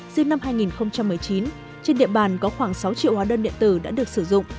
riêng năm hai nghìn một mươi chín trên địa bàn có khoảng sáu triệu hóa đơn điện tử đã được sử dụng